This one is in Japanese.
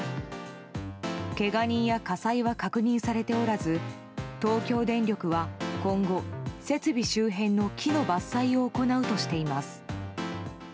けが人や火災は確認されておらず東京電力は今後、設備周辺の木の伐採を行うとしています。